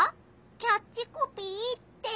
キャッチコピーって？